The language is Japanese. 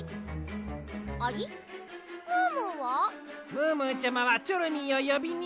ムームーちゃまはチョロミーをよびに。